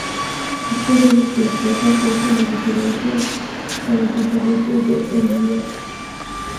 Es posible que la causa fuese las diferencias con los sacerdotes de Heliópolis.